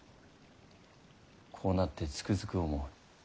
こうなってつくづく思う。